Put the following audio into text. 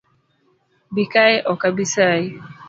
Bikae ok abisayi.